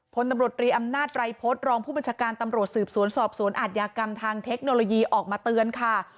พลตำรวจรีอำนาจไรพฤษรองผู้บัญชาการตำรวจสืบสวนสอบสวนอาทยากรรมทางเทคโนโลยีออกมาเตือนค่ะ